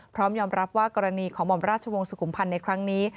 พร้อมยอมรับว่ากรณีของหม่อมราชวงศ์สุขุมพันธ์ในครั้งนี้